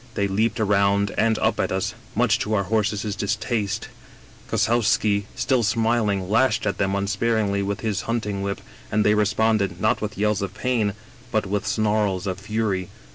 They leaped around and up at us, much to our horses' distaste Kossowski, still smiling, lashed at them unsparingly with his hunting whip, and they responded, not with yells of pain, but with snarls of fury.